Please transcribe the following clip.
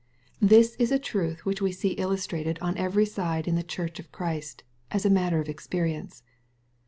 This is a truth which we see illustrated on every side in the church of Christ, as a matter of experience.